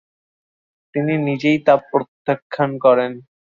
তিনি নিজেই তা প্রত্যাখ্যান করেন।